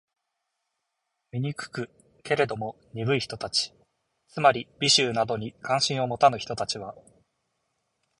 醜く？けれども、鈍い人たち（つまり、美醜などに関心を持たぬ人たち）は、